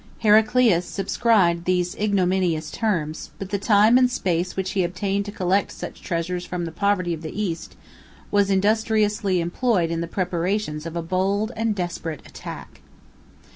Heraclius subscribed these ignominious terms; but the time and space which he obtained to collect such treasures from the poverty of the East, was industriously employed in the preparations of a bold and desperate attack.